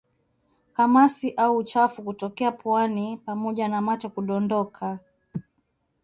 Kamasi au uchafu kutokea puani pamoja na mate kudondoka